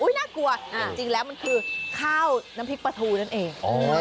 อุ๊ยน่ากลัวจริงจริงแล้วมันคือข้าวน้ำพริกปะทูนั่นเองอ๋อ